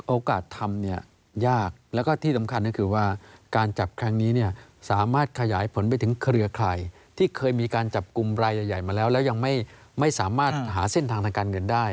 ทำเนี่ยยากแล้วก็ที่สำคัญก็คือว่าการจับครั้งนี้เนี่ยสามารถขยายผลไปถึงเครือข่ายที่เคยมีการจับกลุ่มรายใหญ่มาแล้วแล้วยังไม่สามารถหาเส้นทางทางการเงินได้